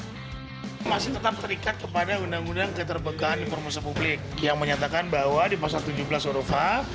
masih tetap terikat kepada undang undang keterbukaan informasi publik yang menyatakan bahwa di pasar tujuh belas urfa